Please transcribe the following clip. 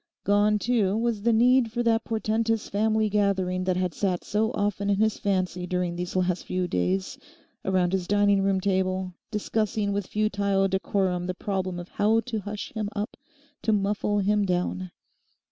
Gone, too, was the need for that portentous family gathering that had sat so often in his fancy during these last few days around his dining room table, discussing with futile decorum the problem of how to hush him up, to muffle him down.